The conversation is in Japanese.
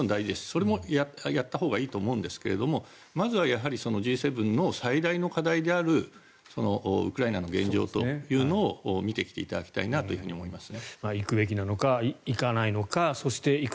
それもやったほうがいいと思いますがまずはＧ７の最大の課題であるウクライナの現状というのを見てきていただきたいなと思いますね。